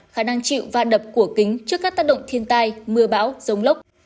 khả năng chịu và đập của kính trước các tác động thiên tai mưa bão giống lốc